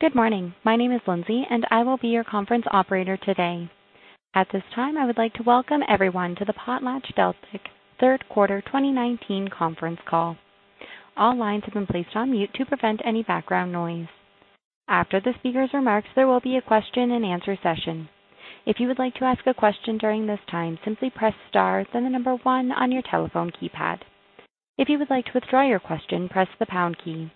Good morning. My name is Lindsay, and I will be your conference operator today. At this time, I would like to welcome everyone to the PotlatchDeltic Third Quarter 2019 Conference Call. All lines have been placed on mute to prevent any background noise. After the speaker's remarks, there will be a question and answer session. If you would like to ask a question during this time, simply press star, then the number one on your telephone keypad. If you would like to withdraw your question, press the pound key.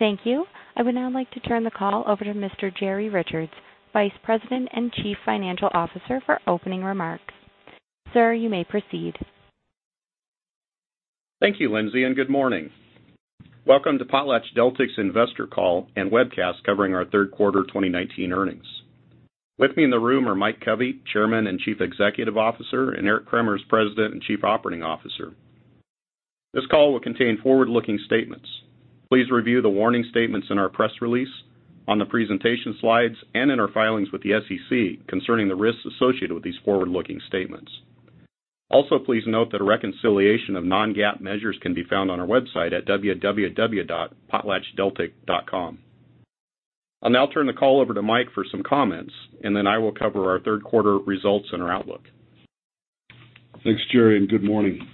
Thank you. I would now like to turn the call over to Mr. Jerry Richards, Vice President and Chief Financial Officer, for opening remarks. Sir, you may proceed. Thank you, Lindsay, and good morning. Welcome to PotlatchDeltic's Investor Call and Webcast covering our third quarter 2019 earnings. With me in the room are Mike Covey, Chairman and Chief Executive Officer, and Eric Cremers as President and Chief Operating Officer. This call will contain forward-looking statements. Please review the warning statements in our press release, on the presentation slides, and in our filings with the SEC concerning the risks associated with these forward-looking statements. Also, please note that a reconciliation of non-GAAP measures can be found on our website at www.potlatchdeltic.com. I'll now turn the call over to Mike for some comments, and then I will cover our third quarter results and our outlook. Thanks, Jerry, and good morning.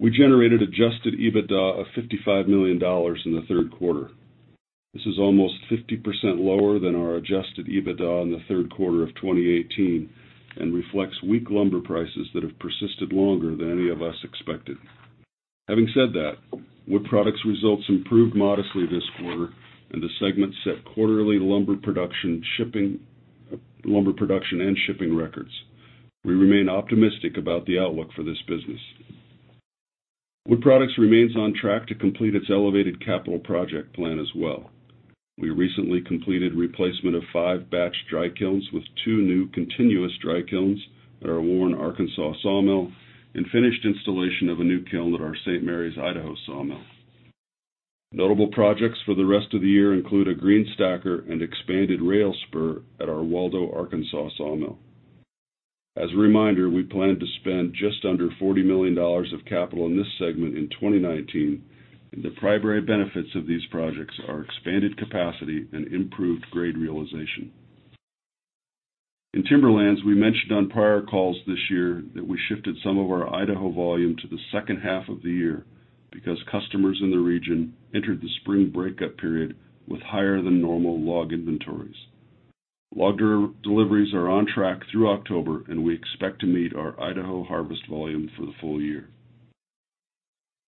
We generated adjusted EBITDA of $55 million in the third quarter. This is almost 50% lower than our adjusted EBITDA in the third quarter of 2018 and reflects weak lumber prices that have persisted longer than any of us expected. Having said that, Wood Products results improved modestly this quarter and the segment set quarterly lumber production and shipping records. We remain optimistic about the outlook for this business. Wood Products remains on track to complete its elevated capital project plan as well. We recently completed replacement of five batch dry kilns with two new continuous dry kilns at our Warren, Arkansas sawmill and finished installation of a new kiln at our St. Maries, Idaho sawmill. Notable projects for the rest of the year include a green stacker and expanded rail spur at our Waldo, Arkansas sawmill. As a reminder, we plan to spend just under $40 million of capital in this segment in 2019, and the primary benefits of these projects are expanded capacity and improved grade realization. In Timberlands, we mentioned on prior calls this year that we shifted some of our Idaho volume to the second half of the year because customers in the region entered the spring breakup period with higher than normal log inventories. Log deliveries are on track through October, and we expect to meet our Idaho harvest volume for the full year.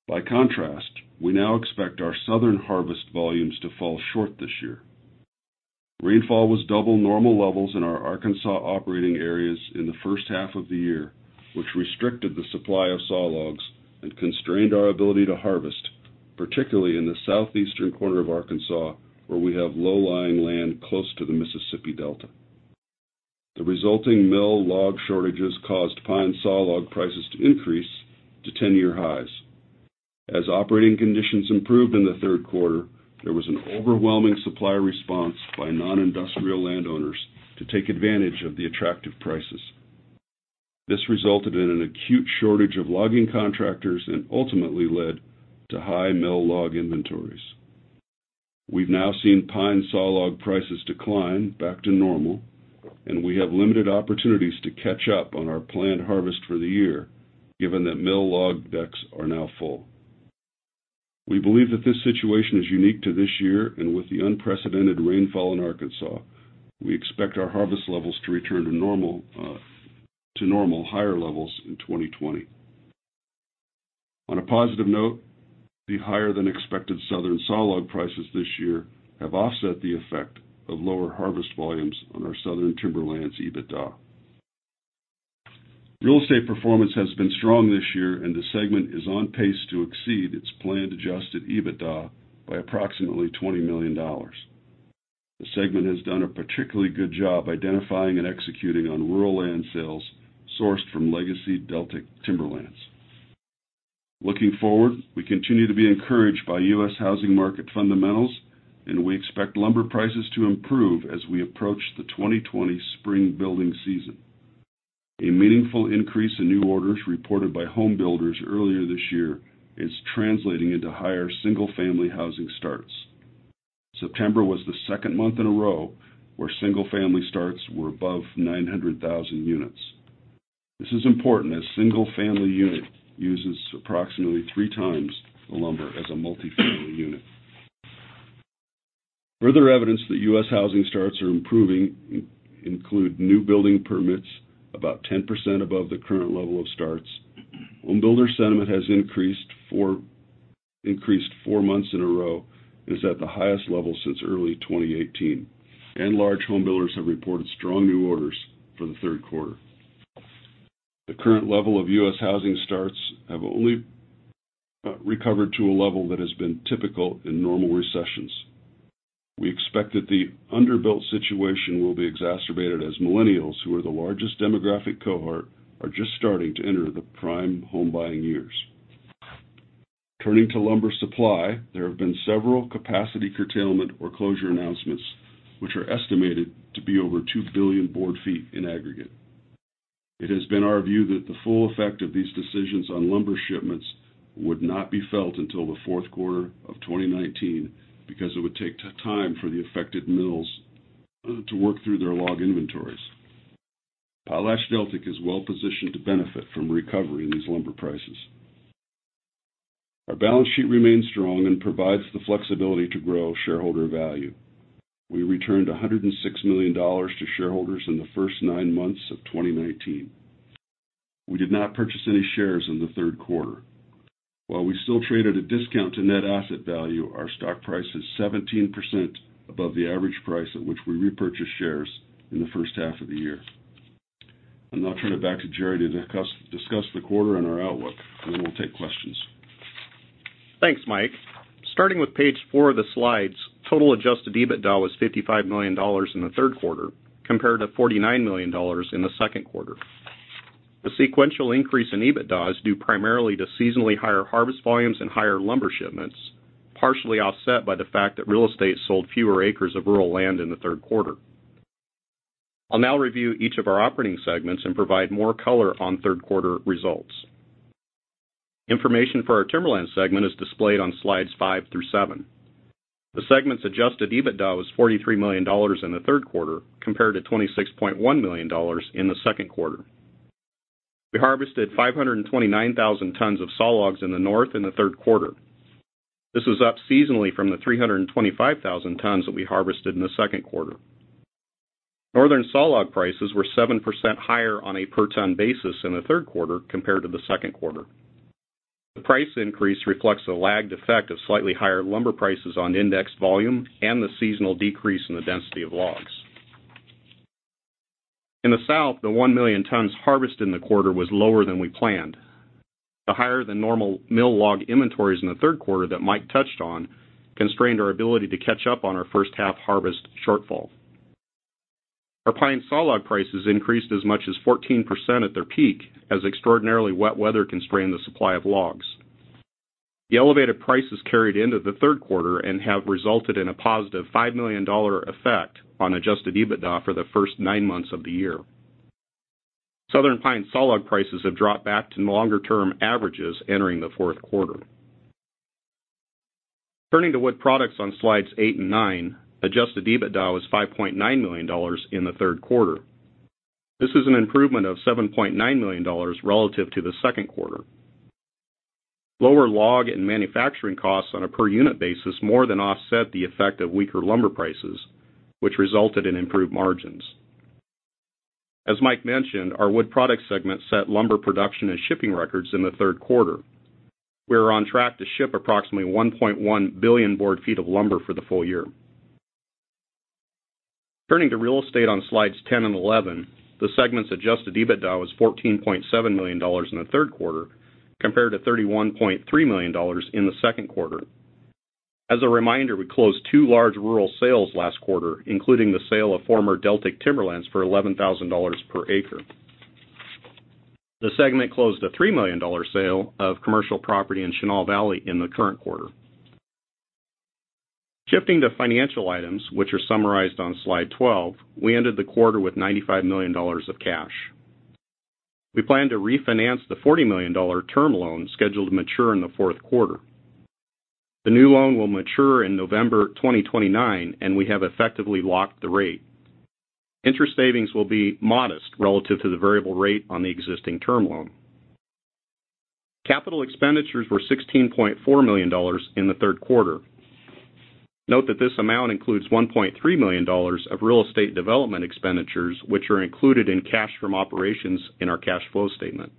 By contrast, we now expect our southern harvest volumes to fall short this year. Rainfall was double normal levels in our Arkansas operating areas in the first half of the year, which restricted the supply of sawlogs and constrained our ability to harvest, particularly in the southeastern corner of Arkansas, where we have low-lying land close to the Mississippi delta. The resulting mill log shortages caused pine sawlog prices to increase to 10-year highs. As operating conditions improved in the third quarter, there was an overwhelming supply response by non-industrial landowners to take advantage of the attractive prices. This resulted in an acute shortage of logging contractors and ultimately led to high mill log inventories. We've now seen pine sawlog prices decline back to normal, and we have limited opportunities to catch up on our planned harvest for the year, given that mill log decks are now full. We believe that this situation is unique to this year. With the unprecedented rainfall in Arkansas, we expect our harvest levels to return to normal higher levels in 2020. On a positive note, the higher-than-expected Southern sawlog prices this year have offset the effect of lower harvest volumes on our Southern Timberlands EBITDA. Real estate performance has been strong this year. The segment is on pace to exceed its planned adjusted EBITDA by approximately $20 million. The segment has done a particularly good job identifying and executing on rural land sales sourced from Legacy Deltic Timberlands. Looking forward, we continue to be encouraged by U.S. housing market fundamentals. We expect lumber prices to improve as we approach the 2020 spring building season. A meaningful increase in new orders reported by home builders earlier this year is translating into higher single-family housing starts. September was the second month in a row where single-family starts were above 900,000 units. This is important as single-family unit uses approximately three times the lumber as a multifamily unit. Further evidence that U.S. housing starts are improving include new building permits about 10% above the current level of starts. Home builder sentiment has increased four months in a row and is at the highest level since early 2018, and large home builders have reported strong new orders for the third quarter. The current level of U.S. housing starts have only recovered to a level that has been typical in normal recessions. We expect that the under-built situation will be exacerbated as millennials, who are the largest demographic cohort, are just starting to enter the prime home buying years. Turning to lumber supply, there have been several capacity curtailment or closure announcements, which are estimated to be over 2 billion board feet in aggregate. It has been our view that the full effect of these decisions on lumber shipments would not be felt until the fourth quarter of 2019 because it would take time for the affected mills to work through their log inventories. PotlatchDeltic is well-positioned to benefit from a recovery in these lumber prices. Our balance sheet remains strong and provides the flexibility to grow shareholder value. We returned $106 million to shareholders in the first nine months of 2019. We did not purchase any shares in the third quarter. While we still trade at a discount to net asset value, our stock price is 17% above the average price at which we repurchased shares in the first half of the year. I'll now turn it back to Jerry to discuss the quarter and our outlook. We'll take questions. Thanks, Mike. Starting with page four of the slides, total adjusted EBITDA was $55 million in the third quarter, compared to $49 million in the second quarter. The sequential increase in EBITDA is due primarily to seasonally higher harvest volumes and higher lumber shipments, partially offset by the fact that Real Estate sold fewer acres of rural land in the third quarter. I'll now review each of our operating segments and provide more color on third-quarter results. Information for our Timberlands segment is displayed on slides five through seven. The segment's adjusted EBITDA was $43 million in the third quarter compared to $26.1 million in the second quarter. We harvested 529,000 tons of sawlogs in the North in the third quarter. This was up seasonally from the 325,000 tons that we harvested in the second quarter. Northern sawlog prices were 7% higher on a per-ton basis in the third quarter compared to the second quarter. The price increase reflects the lagged effect of slightly higher lumber prices on indexed volume and the seasonal decrease in the density of logs. In the South, the 1 million tons harvested in the quarter was lower than we planned. The higher-than-normal mill log inventories in the third quarter that Mike touched on constrained our ability to catch up on our first-half harvest shortfall. Our pine sawlog prices increased as much as 14% at their peak as extraordinarily wet weather constrained the supply of logs. The elevated prices carried into the third quarter and have resulted in a positive $5 million effect on adjusted EBITDA for the first nine months of the year. Southern pine sawlog prices have dropped back to longer-term averages entering the fourth quarter. Turning to Wood Products on slides eight and nine, adjusted EBITDA was $5.9 million in the third quarter. This is an improvement of $7.9 million relative to the second quarter. Lower log and manufacturing costs on a per-unit basis more than offset the effect of weaker lumber prices, which resulted in improved margins. As Mike mentioned, our Wood Products segment set lumber production and shipping records in the third quarter. We are on track to ship approximately 1.1 billion board feet of lumber for the full year. Turning to Real Estate on slides 10 and 11, the segment's adjusted EBITDA was $14.7 million in the third quarter compared to $31.3 million in the second quarter. As a reminder, we closed two large rural sales last quarter, including the sale of former Deltic Timberlands for $11,000 per acre. The segment closed a $3 million sale of commercial property in Chenal Valley in the current quarter. Shifting to financial items, which are summarized on slide 12, we ended the quarter with $95 million of cash. We plan to refinance the $40 million term loan scheduled to mature in the fourth quarter. The new loan will mature in November 2029, we have effectively locked the rate. Interest savings will be modest relative to the variable rate on the existing term loan. Capital expenditures were $16.4 million in the third quarter. Note that this amount includes $1.3 million of Real Estate development expenditures, which are included in cash from operations in our cash flow statement.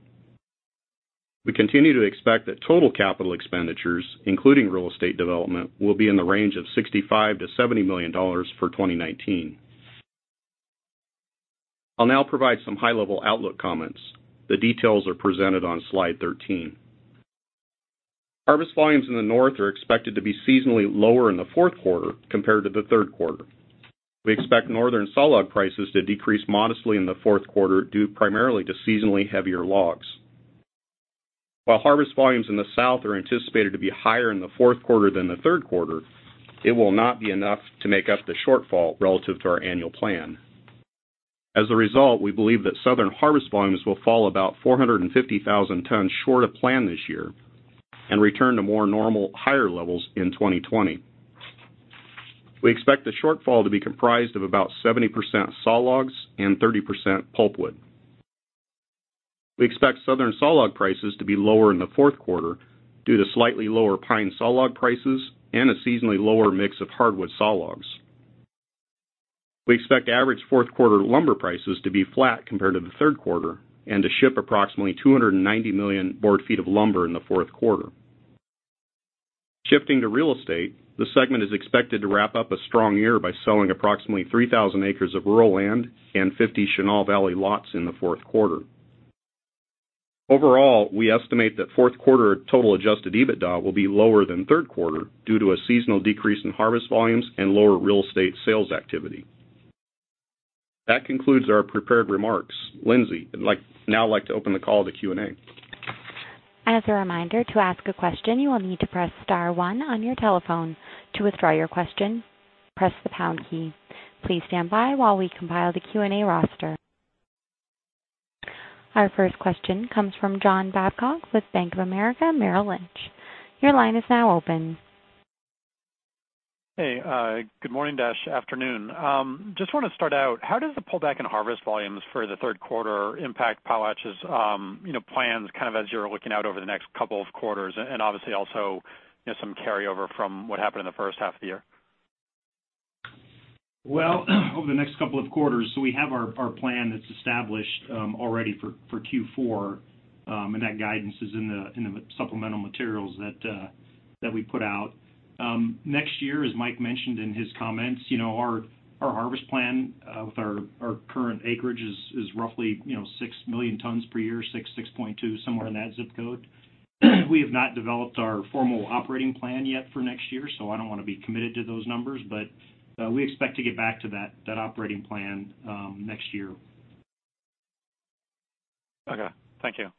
We continue to expect that total capital expenditures, including Real Estate development, will be in the range of $65 million-$70 million for 2019. I'll now provide some high-level outlook comments. The details are presented on slide 13. Harvest volumes in the North are expected to be seasonally lower in the fourth quarter compared to the third quarter. We expect Northern sawlog prices to decrease modestly in the fourth quarter due primarily to seasonally heavier logs. While harvest volumes in the South are anticipated to be higher in the fourth quarter than the third quarter, it will not be enough to make up the shortfall relative to our annual plan. As a result, we believe that Southern harvest volumes will fall about 450,000 tons short of plan this year and return to more normal, higher levels in 2020. We expect the shortfall to be comprised of about 70% sawlogs and 30% pulpwood. We expect Southern sawlog prices to be lower in the fourth quarter due to slightly lower pine sawlog prices and a seasonally lower mix of hardwood sawlogs. We expect average fourth quarter lumber prices to be flat compared to the third quarter and to ship approximately 290 million board feet of lumber in the fourth quarter. Shifting to Real Estate, the segment is expected to wrap up a strong year by selling approximately 3,000 acres of rural land and 50 Chenal Valley lots in the fourth quarter. Overall, we estimate that fourth quarter total adjusted EBITDA will be lower than third quarter due to a seasonal decrease in harvest volumes and lower Real Estate sales activity. That concludes our prepared remarks. Lindsay, I'd now like to open the call to Q&A. As a reminder, to ask a question, you will need to press star one on your telephone. To withdraw your question, press the pound key. Please stand by while we compile the Q&A roster. Our first question comes from John Babcock with Bank of America Merrill Lynch. Your line is now open. Hey, good morning, Dash. Afternoon. Just want to start out, how does the pullback in harvest volumes for the third quarter impact PotlatchDeltic's plans as you're looking out over the next couple of quarters, and obviously also, some carryover from what happened in the first half of the year? Well, over the next couple of quarters, so we have our plan that's established already for Q4, and that guidance is in the supplemental materials that we put out. Next year, as Mike mentioned in his comments, our harvest plan with our current acreage is roughly 6 million tons per year, 6.2, somewhere in that zip code. We have not developed our formal operating plan yet for next year, so I don't want to be committed to those numbers, but we expect to get back to that operating plan next year. Okay. Thank you.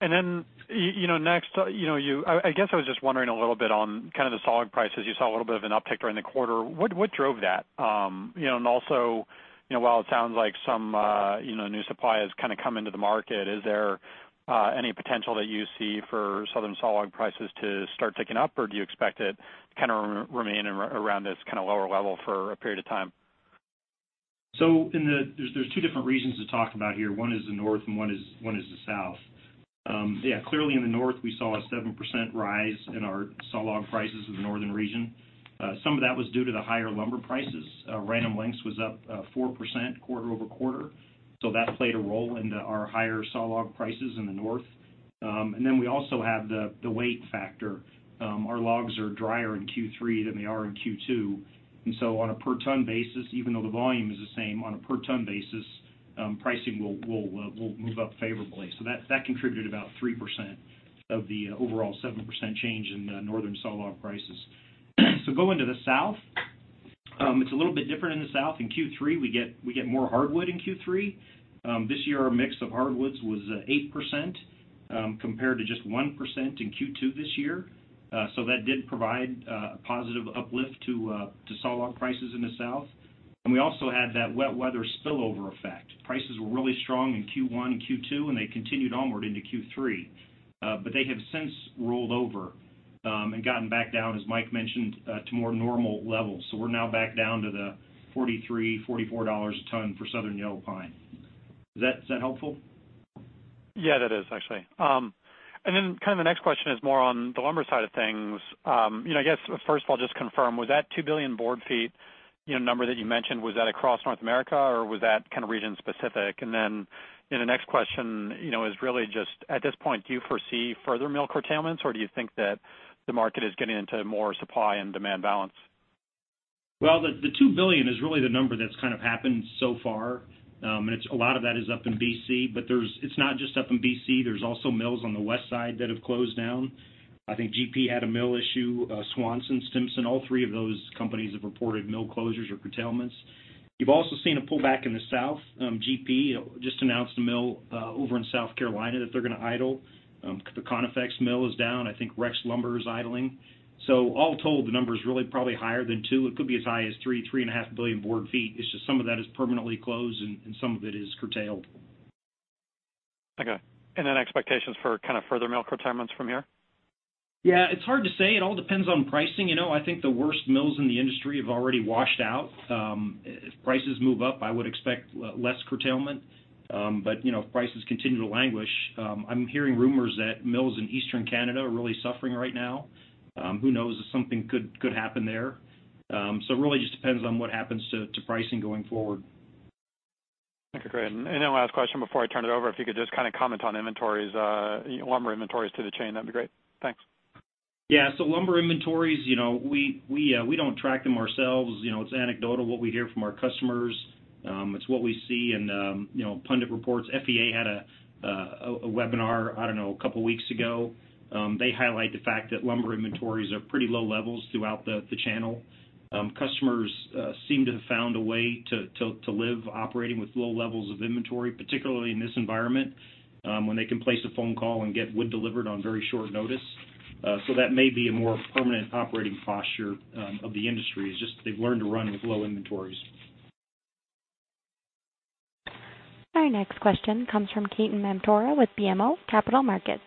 Next, I guess I was just wondering a little bit on the sawlog prices. You saw a little bit of an uptick during the quarter. What drove that? While it sounds like some new supply has come into the market, is there any potential that you see for southern sawlog prices to start ticking up, or do you expect it to remain around this lower level for a period of time? There's two different regions to talk about here. One is the North and one is the South. Clearly in the North, we saw a 7% rise in our sawlog prices in the northern region. Some of that was due to the higher lumber prices. Random Lengths was up 4% quarter-over-quarter, that played a role into our higher sawlog prices in the North. We also have the weight factor. Our logs are drier in Q3 than they are in Q2, on a per ton basis, even though the volume is the same, on a per ton basis, pricing will move up favorably. That contributed about 3% of the overall 7% change in northern sawlog prices. Going to the South, it's a little bit different in the South. In Q3, we get more hardwood in Q3. This year, our mix of hardwoods was 8%, compared to just 1% in Q2 this year. That did provide a positive uplift to sawlog prices in the South. We also had that wet weather spillover effect. Prices were really strong in Q1 and Q2, and they continued onward into Q3. They have since rolled over, and gotten back down, as Mike mentioned, to more normal levels. We're now back down to the $43, $44 a ton for Southern Yellow Pine. Is that helpful? Yeah, that is, actually. The next question is more on the lumber side of things. I guess first of all, just confirm, was that 2 billion board feet number that you mentioned, was that across North America, or was that region-specific? The next question is really just at this point, do you foresee further mill curtailments, or do you think that the market is getting into more supply and demand balance? The $2 billion is really the number that's happened so far. A lot of that is up in BC, but it's not just up in BC, there's also mills on the west side that have closed down. I think GP had a mill issue, Swanson, Simpson, all three of those companies have reported mill closures or curtailments. You've also seen a pullback in the South. GP just announced a mill over in South Carolina that they're going to idle. The Conifex mill is down. I think Rex Lumber is idling. All told, the number is really probably higher than two. It could be as high as three, 3.5 billion board feet. It's just some of that is permanently closed and some of it is curtailed. Okay. Expectations for further mill curtailments from here? Yeah, it's hard to say. It all depends on pricing. I think the worst mills in the industry have already washed out. If prices move up, I would expect less curtailment. If prices continue to languish, I'm hearing rumors that mills in Eastern Canada are really suffering right now. Who knows if something could happen there. It really just depends on what happens to pricing going forward. Okay, great. Then last question before I turn it over, if you could just comment on inventories, lumber inventories to the chain, that would be great. Thanks. Yeah. Lumber inventories, we don't track them ourselves. It's anecdotal what we hear from our customers. It's what we see in pundit reports. FEA had a webinar, I don't know, a couple of weeks ago. They highlight the fact that lumber inventories are pretty low levels throughout the channel. Customers seem to have found a way to live operating with low levels of inventory, particularly in this environment, when they can place a phone call and get wood delivered on very short notice. That may be a more permanent operating posture of the industry. It's just they've learned to run with low inventories. Our next question comes from Ketan Mamtora with BMO Capital Markets.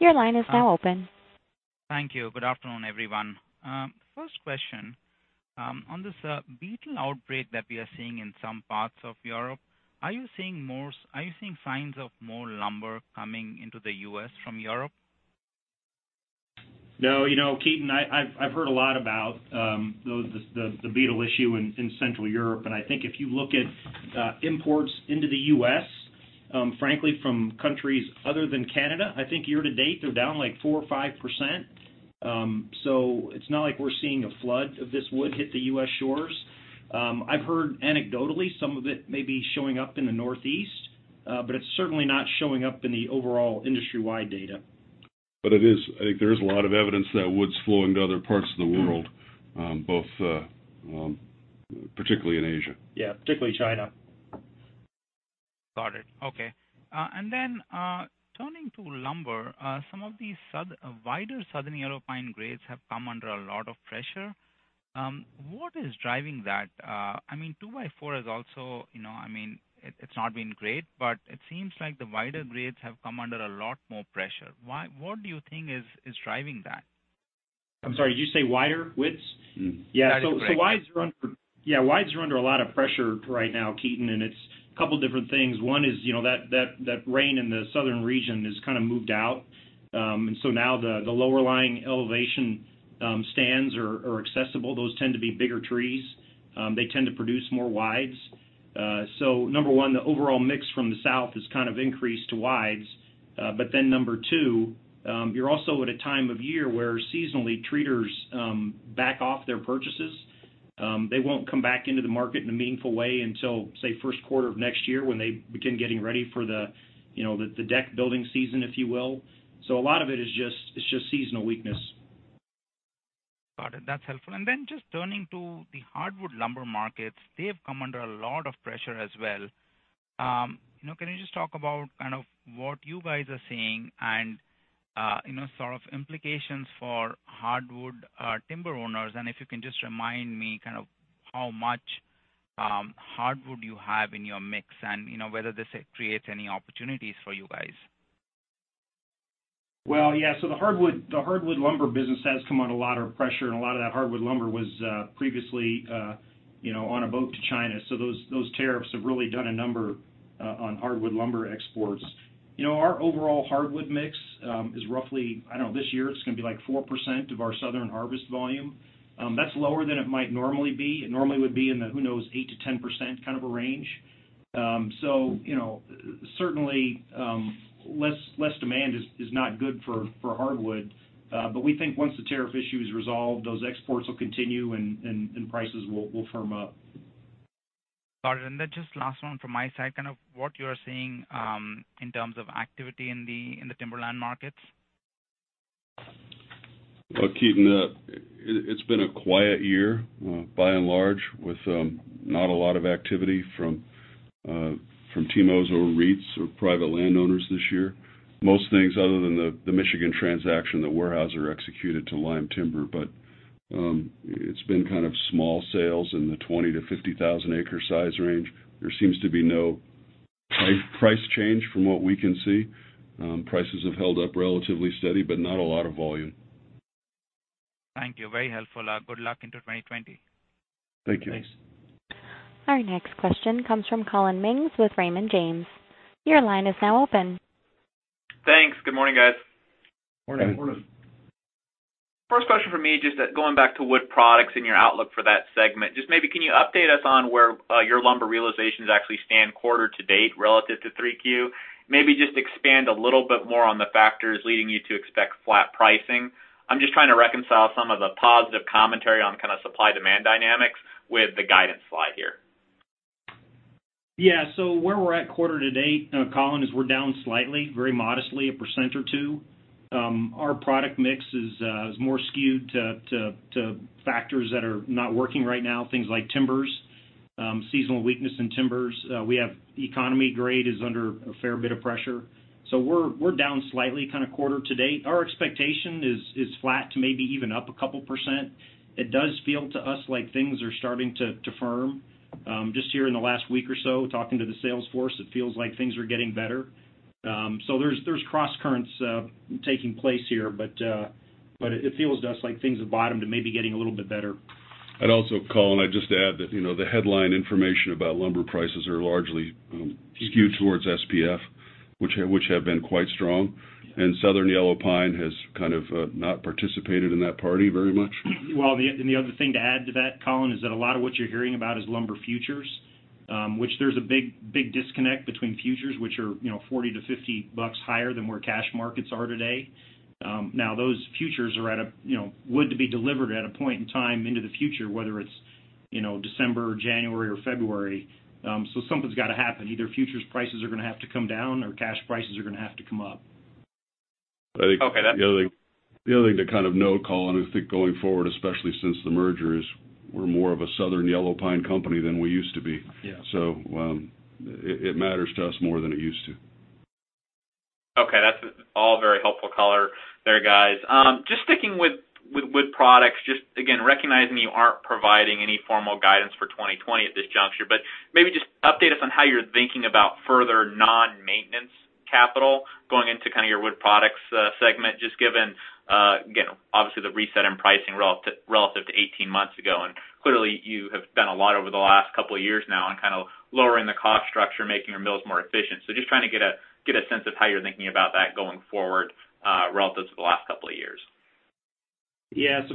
Your line is now open. Thank you. Good afternoon, everyone. First question, on this beetle outbreak that we are seeing in some parts of Europe, are you seeing signs of more lumber coming into the U.S. from Europe? No, Ketan, I've heard a lot about the beetle issue in Central Europe, and I think if you look at imports into the U.S., frankly, from countries other than Canada, I think year to date, they're down 4% or 5%. It's not like we're seeing a flood of this wood hit the U.S. shores. I've heard anecdotally some of it may be showing up in the Northeast, but it's certainly not showing up in the overall industry-wide data I think there is a lot of evidence that wood's flowing to other parts of the world, particularly in Asia. Yeah, particularly China. Got it. Okay. Turning to lumber, some of these wider Southern Yellow Pine grades have come under a lot of pressure. What is driving that? Two-by-four, it's not been great, but it seems like the wider grades have come under a lot more pressure. What do you think is driving that? I'm sorry, did you say wider widths? That is correct. Yeah, wides are under a lot of pressure right now, Ketan. It's a couple different things. One is, that rain in the Southern region has kind of moved out. Now the lower lying elevation stands are accessible. Those tend to be bigger trees. They tend to produce more wides. Number 1, the overall mix from the South has kind of increased to wides. Number 2, you're also at a time of year where seasonally treaters back off their purchases. They won't come back into the market in a meaningful way until, say, first quarter of next year when they begin getting ready for the deck building season, if you will. A lot of it is just seasonal weakness. Got it. That's helpful. Just turning to the hardwood lumber markets, they have come under a lot of pressure as well. Can you just talk about kind of what you guys are seeing and sort of implications for hardwood timber owners, and if you can just remind me kind of how much hardwood you have in your mix, and whether this creates any opportunities for you guys? Yeah. The hardwood lumber business has come under a lot of pressure, and a lot of that hardwood lumber was previously on a boat to China. Those tariffs have really done a number on hardwood lumber exports. Our overall hardwood mix is roughly, I don't know, this year it's going to be like 4% of our southern harvest volume. That's lower than it might normally be. It normally would be in the, who knows, 8%-10% kind of a range. Certainly, less demand is not good for hardwood. We think once the tariff issue is resolved, those exports will continue and prices will firm up. Got it. Just last one from my side, kind of what you're seeing in terms of activity in the timberland markets. Well, Ketan, it's been a quiet year by and large with not a lot of activity from TIMOs or REITs or private landowners this year. Most things other than the Michigan transaction that Weyerhaeuser executed to Lyme Timber. But it's been kind of small sales in the 20,000-50,000 acre size range. There seems to be no price change from what we can see. Prices have held up relatively steady, but not a lot of volume. Thank you. Very helpful. Good luck into 2020. Thank you. Thanks. Our next question comes from Collin Mings with Raymond James. Your line is now open. Thanks. Good morning, guys. Morning. Morning. First question from me, just going back to wood products and your outlook for that segment. Just maybe can you update us on where your lumber realizations actually stand quarter to date relative to 3Q? Maybe just expand a little bit more on the factors leading you to expect flat pricing. I'm just trying to reconcile some of the positive commentary on kind of supply-demand dynamics with the guidance slide here. Yeah. Where we're at quarter to date, Collin, is we're down slightly, very modestly, a percent or two. Our product mix is more skewed to factors that are not working right now, things like timbers, seasonal weakness in timbers. We have economy grade is under a fair bit of pressure. We're down slightly kind of quarter to date. Our expectation is flat to maybe even up a couple percent. It does feel to us like things are starting to firm. Just here in the last week or so, talking to the sales force, it feels like things are getting better. There's cross currents taking place here, but it feels to us like things have bottomed and may be getting a little bit better. Also, Collin, I'd just add that the headline information about lumber prices are largely skewed towards SPF, which have been quite strong, and Southern Yellow Pine has kind of not participated in that party very much. The other thing to add to that, Collin, is that a lot of what you're hearing about is lumber futures, which there's a big disconnect between futures, which are $40-$50 higher than where cash markets are today. Those futures are wood to be delivered at a point in time into the future, whether it's December or January or February. Something's got to happen. Either futures prices are going to have to come down, or cash prices are going to have to come up. Okay. The other thing to kind of note, Collin, I think going forward, especially since the merger, is we're more of a Southern Yellow Pine company than we used to be. Yeah. It matters to us more than it used to. Okay. That's all very helpful color there, guys. Just sticking with wood products, just again, recognizing you aren't providing any formal guidance for 2020 at this juncture, but maybe just update us on how you're thinking about further non-maintenance capital going into kind of your wood products segment, just given, again, obviously the reset in pricing relative to 18 months ago. Clearly you have done a lot over the last couple of years now on kind of lowering the cost structure, making your mills more efficient. Just trying to get a sense of how you're thinking about that going forward relative to the last couple of years.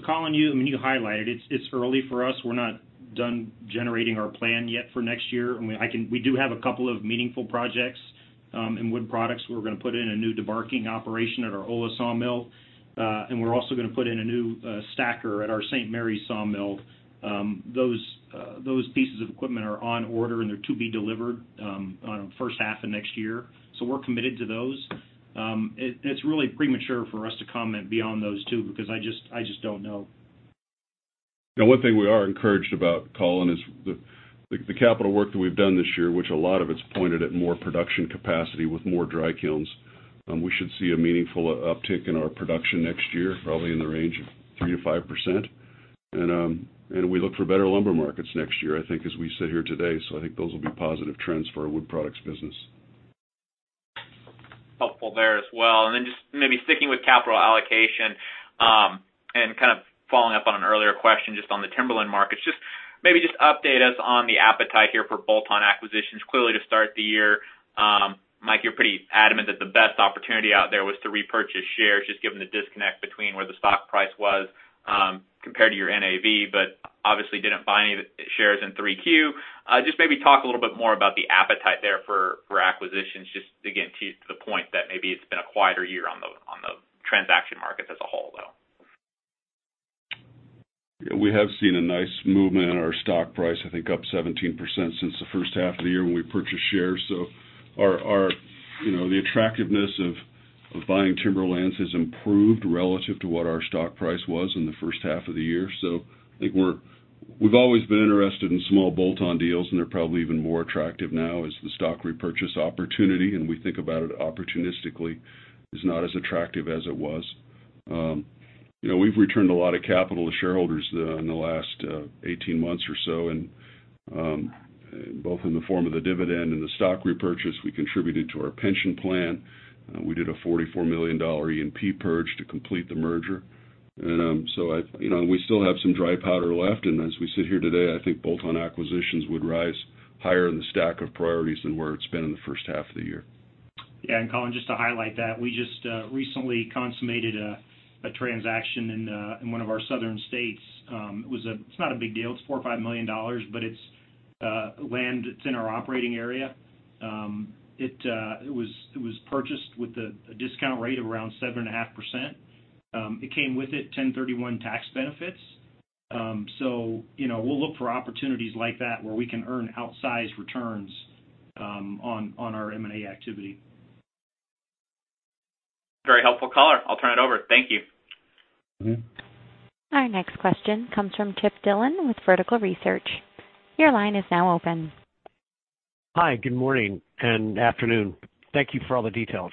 Collin, you highlighted it. It's early for us. We're not done generating our plan yet for next year. We do have two meaningful projects in wood products. We're going to put in a new debarking operation at our Ola sawmill. We're also going to put in a new stacker at our St. Maries sawmill. Those pieces of equipment are on order, and they're to be delivered on first half of next year. We're committed to those. It's really premature for us to comment beyond those two because I just don't know. The one thing we are encouraged about, Collin, is the capital work that we've done this year, which a lot of it's pointed at more production capacity with more dry kilns. We should see a meaningful uptick in our production next year, probably in the range of 3%-5%. We look for better lumber markets next year, I think, as we sit here today. I think those will be positive trends for our wood products business. Helpful there as well. Then maybe sticking with capital allocation, and following up on an earlier question on the timberland markets, maybe update us on the appetite here for bolt-on acquisitions. Clearly to start the year, Mike, you're pretty adamant that the best opportunity out there was to repurchase shares, given the disconnect between where the stock price was compared to your NAV, but obviously didn't buy any shares in 3Q. Maybe talk a little bit more about the appetite there for acquisitions, again, to the point that maybe it's been a quieter year on the transaction markets as a whole, though. Yeah. We have seen a nice movement in our stock price, I think up 17% since the first half of the year when we purchased shares. The attractiveness of buying timberlands has improved relative to what our stock price was in the first half of the year. I think we've always been interested in small bolt-on deals, and they're probably even more attractive now as the stock repurchase opportunity, and we think about it opportunistically, is not as attractive as it was. We've returned a lot of capital to shareholders in the last 18 months or so, both in the form of the dividend and the stock repurchase. We contributed to our pension plan. We did a $44 million E&P purge to complete the merger. We still have some dry powder left, and as we sit here today, I think bolt-on acquisitions would rise higher in the stack of priorities than where it's been in the first half of the year. Yeah. Collin, just to highlight that, we just recently consummated a transaction in one of our southern states. It's not a big deal. It's $4 million or $5 million, but it's land that's in our operating area. It was purchased with a discount rate of around 7.5%. It came with it 1031 tax benefits. We'll look for opportunities like that where we can earn outsized returns on our M&A activity. Very helpful, Collin. I'll turn it over. Thank you. Our next question comes from Chip Dillon with Vertical Research. Your line is now open. Hi. Good morning and afternoon. Thank you for all the details.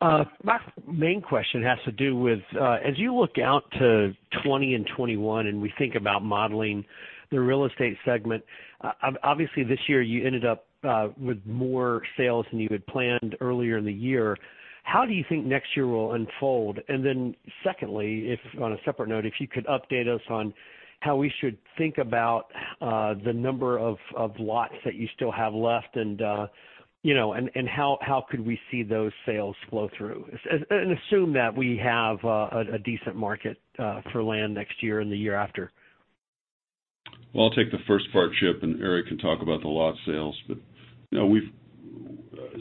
My main question has to do with as you look out to 2020 and 2021, and we think about modeling the real estate segment, obviously this year you ended up with more sales than you had planned earlier in the year. How do you think next year will unfold? Secondly, on a separate note, if you could update us on how we should think about the number of lots that you still have left, and how could we see those sales flow through? Assume that we have a decent market for land next year and the year after. Well, I'll take the first part, Chip, and Eric can talk about the lot sales.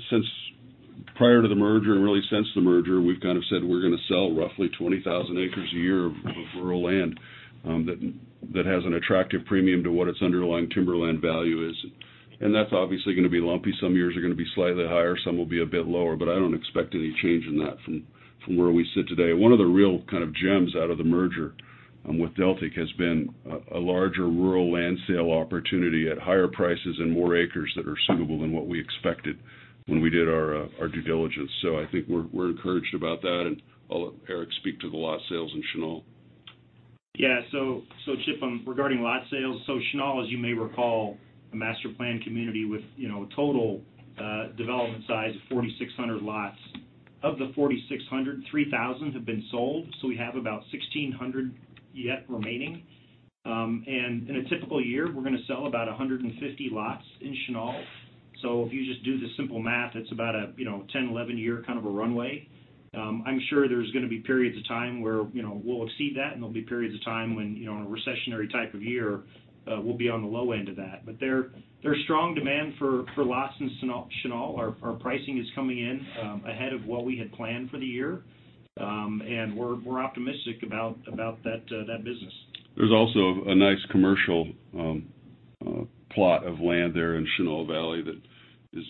Since prior to the merger and really since the merger, we've kind of said we're going to sell roughly 20,000 acres a year of rural land that has an attractive premium to what its underlying timberland value is, and that's obviously going to be lumpy. Some years are going to be slightly higher, some will be a bit lower, I don't expect any change in that from where we sit today. One of the real kind of gems out of the merger with Deltic has been a larger rural land sale opportunity at higher prices and more acres that are suitable than what we expected when we did our due diligence. I think we're encouraged about that, and I'll let Eric speak to the lot sales in Chenal. Yeah. Chip, regarding lot sales, Chenal, as you may recall, a master-planned community with a total development size of 4,600 lots. Of the 4,600, 3,000 have been sold, we have about 1,600 yet remaining. In a typical year, we're going to sell about 150 lots in Chenal. If you just do the simple math, it's about a 10, 11-year kind of a runway. I'm sure there's going to be periods of time where we'll exceed that, and there'll be periods of time when a recessionary type of year we'll be on the low end of that. There's strong demand for lots in Chenal. Our pricing is coming in ahead of what we had planned for the year. We're optimistic about that business. There's also a nice commercial plot of land there in Chenal Valley that is,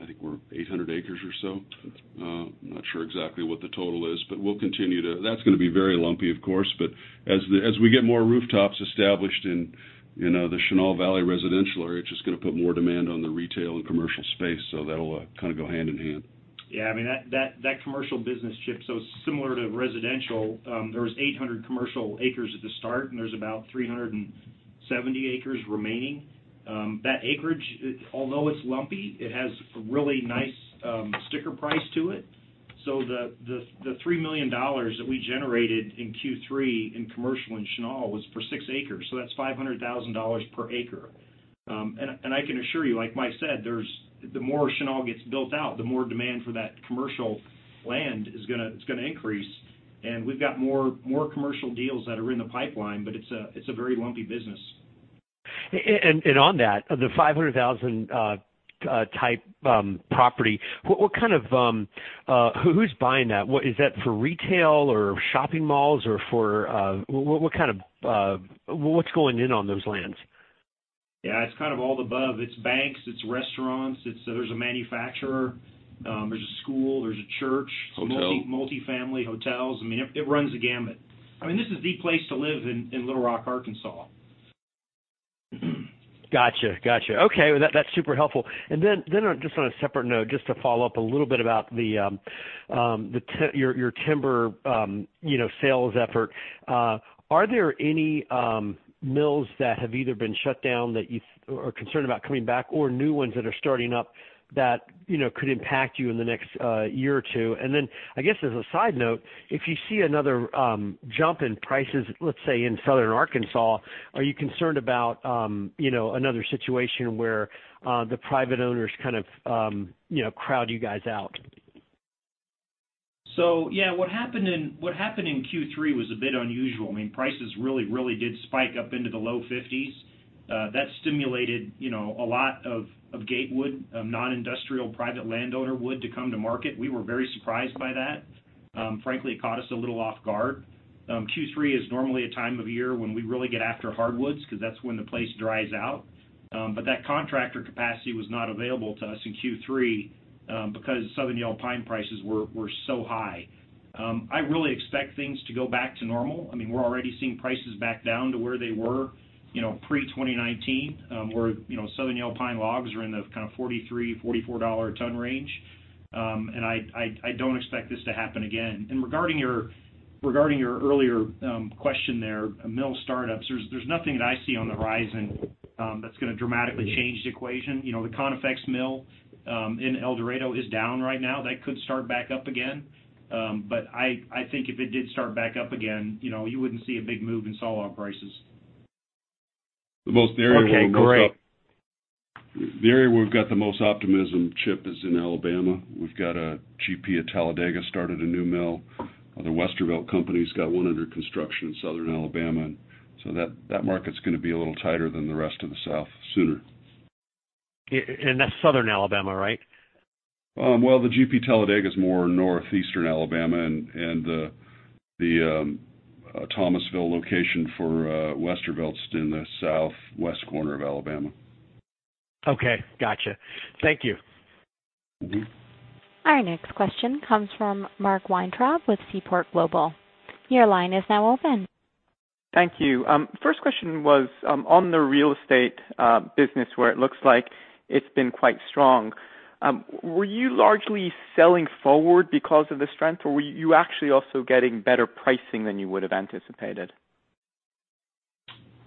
I think we're 800 acres or so. I'm not sure exactly what the total is. That's going to be very lumpy, of course, but as we get more rooftops established in the Chenal Valley residential area, it's just going to put more demand on the retail and commercial space. That'll kind of go hand in hand. Yeah. That commercial business, Chip, so similar to residential, there was 800 commercial acres at the start, and there's about 370 acres remaining. That acreage, although it's lumpy, it has a really nice sticker price to it. The $3 million that we generated in Q3 in commercial in Chenal was for six acres, so that's $500,000 per acre. I can assure you, like Mike said, the more Chenal gets built out, the more demand for that commercial land is going to increase. We've got more commercial deals that are in the pipeline, but it's a very lumpy business. On that, the $500,000 type property, who's buying that? Is that for retail or shopping malls? What's going in on those lands? Yeah, it's kind of all of the above. It's banks, it's restaurants, there's a manufacturer, there's a school, there's a church. Hotel multi-family hotels. It runs the gamut. This is the place to live in Little Rock, Arkansas. Got you. Okay. That's super helpful. Just on a separate note, just to follow up a little bit about your timber sales effort. Are there any mills that have either been shut down that you are concerned about coming back, or new ones that are starting up that could impact you in the next year or two? I guess as a side note, if you see another jump in prices, let's say in Southern Arkansas, are you concerned about another situation where the private owners kind of crowd you guys out? Yeah, what happened in Q3 was a bit unusual. Prices really did spike up into the low 50s. That stimulated a lot of gatewood, non-industrial private landowner wood to come to market. We were very surprised by that. Frankly, it caught us a little off guard. Q3 is normally a time of year when we really get after hardwoods because that's when the place dries out. That contractor capacity was not available to us in Q3 because Southern Yellow Pine prices were so high. I really expect things to go back to normal. We're already seeing prices back down to where they were pre-2019, where Southern Yellow Pine logs are in the $43, $44 a ton range. I don't expect this to happen again. Regarding your earlier question there, mill startups, there's nothing that I see on the horizon that's going to dramatically change the equation. The Conifex mill in El Dorado is down right now. That could start back up again. I think if it did start back up again, you wouldn't see a big move in sawlog prices. Okay, great. The area where we've got the most optimism, Chip, is in Alabama. We've got a GP at Talladega, started a new mill. The Westervelt Company's got one under construction in Southern Alabama, that market's going to be a little tighter than the rest of the South sooner. That's Southern Alabama, right? Well, the GP Talladega is more northeastern Alabama, and the Thomasville location for Westervelt's in the southwest corner of Alabama. Okay, got you. Thank you. Our next question comes from Mark Weintraub with Seaport Global. Your line is now open. Thank you. First question was on the real estate business where it looks like it's been quite strong. Were you largely selling forward because of the strength, or were you actually also getting better pricing than you would have anticipated?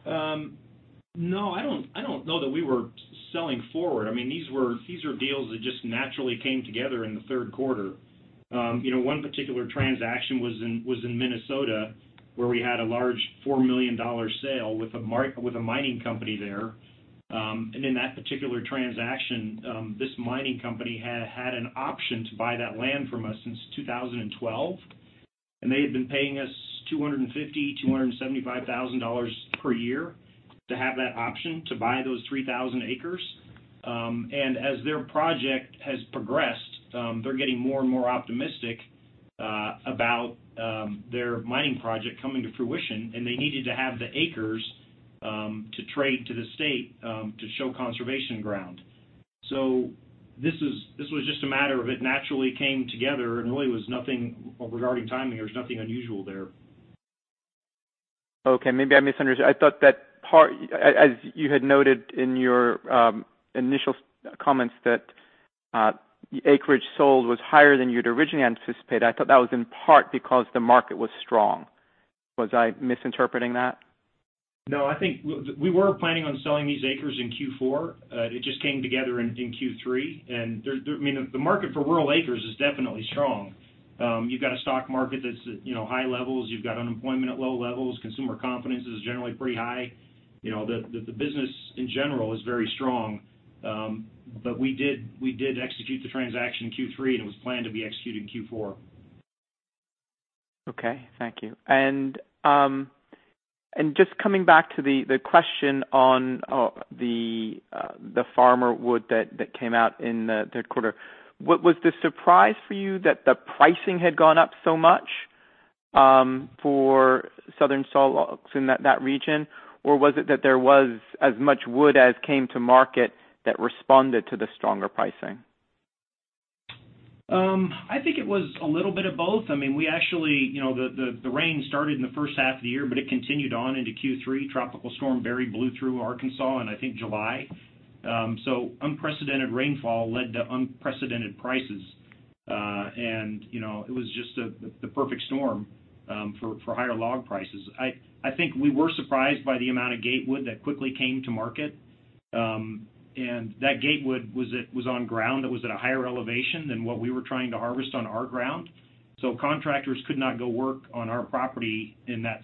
No, I don't know that we were selling forward. These are deals that just naturally came together in the third quarter. One particular transaction was in Minnesota, where we had a large $4 million sale with a mining company there. In that particular transaction, this mining company had an option to buy that land from us since 2012, and they had been paying us $250,000, $275,000 per year to have that option to buy those 3,000 acres. As their project has progressed, they're getting more and more optimistic about their mining project coming to fruition, and they needed to have the acres to trade to the state to show conservation ground. This was just a matter of it naturally came together, and really regarding timing, there was nothing unusual there. Okay. Maybe I misunderstood. I thought that as you had noted in your initial comments that the acreage sold was higher than you'd originally anticipated. I thought that was in part because the market was strong. Was I misinterpreting that? No, we were planning on selling these acres in Q4. It just came together in Q3. The market for rural acres is definitely strong. You've got a stock market that's at high levels. You've got unemployment at low levels. Consumer confidence is generally pretty high. The business, in general, is very strong. We did execute the transaction in Q3, and it was planned to be executed in Q4. Okay, thank you. Just coming back to the question on the farmer wood that came out in the third quarter. Was the surprise for you that the pricing had gone up so much for Southern saw logs in that region, or was it that there was as much wood as came to market that responded to the stronger pricing? I think it was a little bit of both. The rain started in the first half of the year, but it continued on into Q3. Tropical Storm Barry blew through Arkansas in, I think, July. Unprecedented rainfall led to unprecedented prices. It was just the perfect storm for higher log prices. I think we were surprised by the amount of gate wood that quickly came to market. That gate wood was on ground that was at a higher elevation than what we were trying to harvest on our ground. Contractors could not go work on our property in that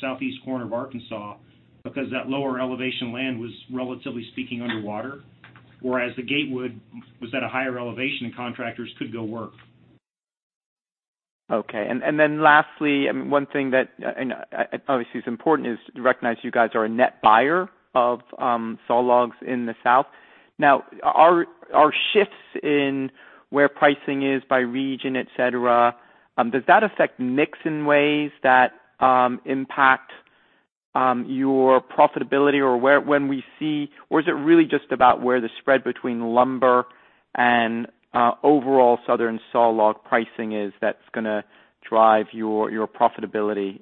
Southeast corner of Arkansas because that lower elevation land was, relatively speaking, underwater. Whereas the gate wood was at a higher elevation, and contractors could go work. Okay. Lastly, one thing that obviously is important is to recognize you guys are a net buyer of sawlogs in the South. Now, are shifts in where pricing is by region, et cetera, does that affect mix in ways that impact your profitability or is it really just about where the spread between lumber and overall Southern sawlog pricing is that's going to drive your profitability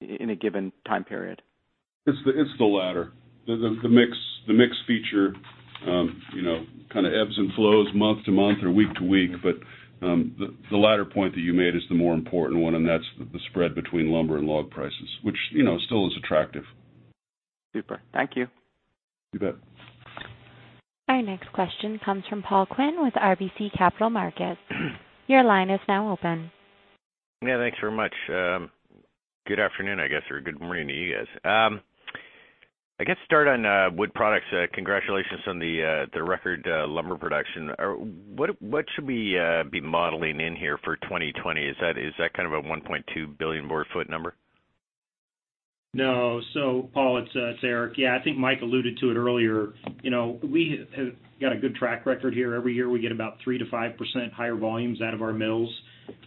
in a given time period? It's the latter. The mix feature kind of ebbs and flows month to month or week to week. The latter point that you made is the more important one, and that's the spread between lumber and log prices, which still is attractive. Super. Thank you. You bet. Our next question comes from Paul Quinn with RBC Capital Markets. Your line is now open. Yeah, thanks very much. Good afternoon, I guess, or good morning to you guys. I guess start on wood products. Congratulations on the record lumber production. What should we be modeling in here for 2020? Is that kind of a 1.2 billion board foot number? No. Paul, it's Eric. Yeah, I think Mike alluded to it earlier. We have got a good track record here. Every year, we get about 3%-5% higher volumes out of our mills.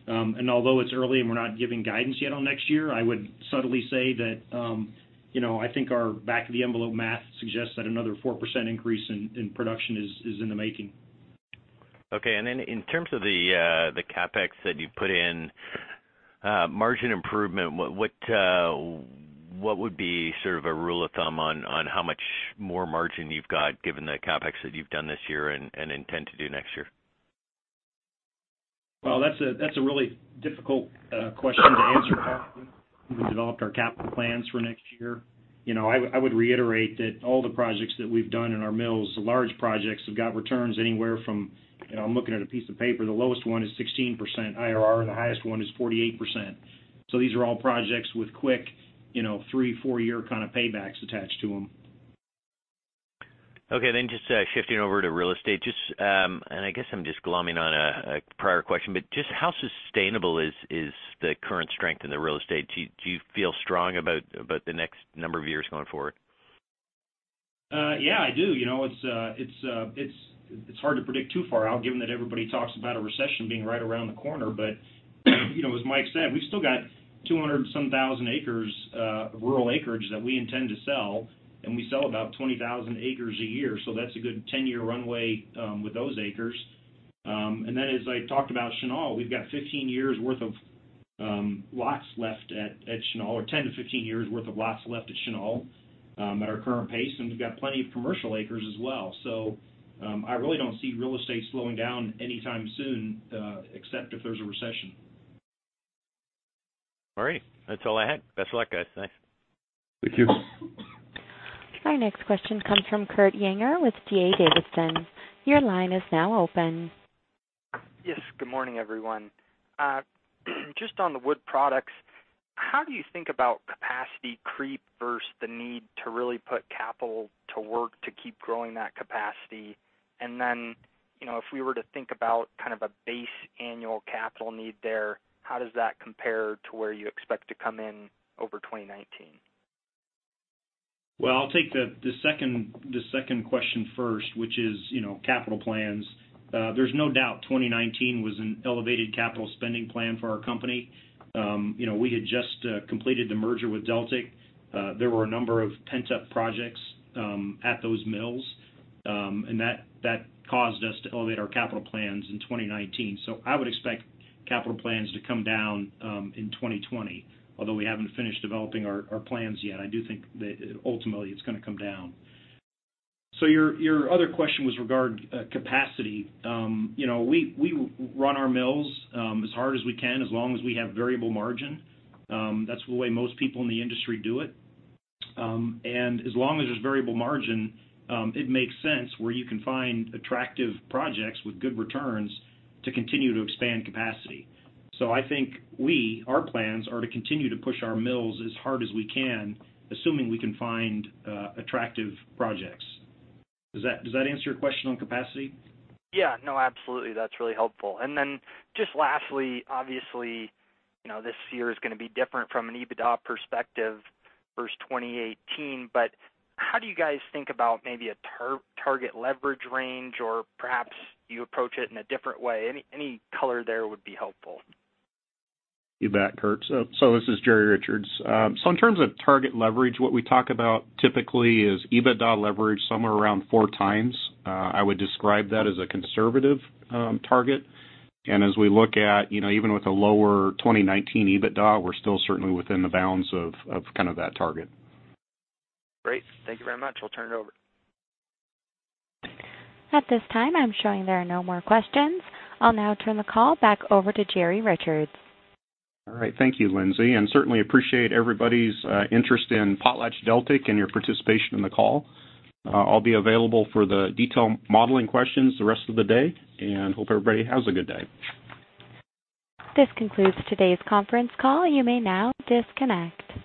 Although it's early and we're not giving guidance yet on next year, I would subtly say that I think our back-of-the-envelope math suggests that another 4% increase in production is in the making. Okay. In terms of the CapEx that you've put in, margin improvement, what would be sort of a rule of thumb on how much more margin you've got given the CapEx that you've done this year and intend to do next year? Well, that's a really difficult question to answer, Paul. We developed our capital plans for next year. I would reiterate that all the projects that we've done in our mills, the large projects, have got returns anywhere from, I'm looking at a piece of paper, the lowest one is 16% IRR, and the highest one is 48%. These are all projects with quick three, four-year kind of paybacks attached to them. Okay. Just shifting over to real estate. I guess I'm just glomming on a prior question, but just how sustainable is the current strength in the real estate? Do you feel strong about the next number of years going forward? Yeah, I do. It's hard to predict too far out, given that everybody talks about a recession being right around the corner. As Mike said, we've still got 200 some thousand acres of rural acreage that we intend to sell, and we sell about 20,000 acres a year. That's a good 10-year runway with those acres. As I talked about Chenal, we've got 15 years' worth of lots left at Chenal, or 10-15 years worth of lots left at Chenal at our current pace, and we've got plenty of commercial acres as well. I really don't see real estate slowing down anytime soon except if there's a recession. All right. That's all I had. Best of luck, guys. Thanks. Thank you. Our next question comes from Kurt Yinger with D.A. Davidson. Your line is now open. Yes. Good morning, everyone. Just on the wood products, how do you think about capacity creep versus the need to really put capital to work to keep growing that capacity? If we were to think about kind of a base annual capital need there, how does that compare to where you expect to come in over 2019? Well, I'll take the second question first, which is capital plans. There's no doubt 2019 was an elevated capital spending plan for our company. We had just completed the merger with Deltic. There were a number of pent-up projects at those mills. That caused us to elevate our capital plans in 2019. I would expect capital plans to come down in 2020. Although we haven't finished developing our plans yet, I do think that ultimately it's going to come down. Your other question was regarding capacity. We run our mills as hard as we can as long as we have variable margin. That's the way most people in the industry do it. As long as there's variable margin, it makes sense where you can find attractive projects with good returns to continue to expand capacity. I think our plans are to continue to push our mills as hard as we can, assuming we can find attractive projects. Does that answer your question on capacity? Yeah, no, absolutely. That's really helpful. Then just lastly, obviously, this year is going to be different from an EBITDA perspective versus 2018, but how do you guys think about maybe a target leverage range, or perhaps you approach it in a different way? Any color there would be helpful. You bet, Kurt. This is Jerry Richards. In terms of target leverage, what we talk about typically is EBITDA leverage somewhere around four times. I would describe that as a conservative target. As we look at even with a lower 2019 EBITDA, we're still certainly within the bounds of kind of that target. Great. Thank you very much. We'll turn it over. At this time, I'm showing there are no more questions. I'll now turn the call back over to Jerry Richards. All right. Thank you, Lindsay, and certainly appreciate everybody's interest in PotlatchDeltic and your participation in the call. I'll be available for the detailed modeling questions the rest of the day, and hope everybody has a good day. This concludes today's conference call. You may now disconnect.